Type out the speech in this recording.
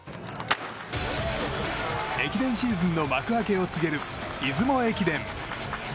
駅伝シーズンの幕開けを告げる出雲駅伝。